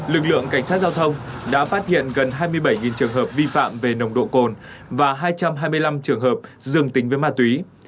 lực lượng cảnh sát giao thông đã phát hiện gần hai mươi bảy trường hợp vi phạm về nồng độ cồn và hai trăm hai mươi năm trường hợp dương tính với ma túy